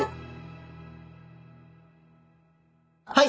はい！